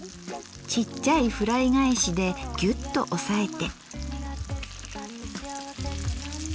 ちっちゃいフライ返しでギュッと押さえて。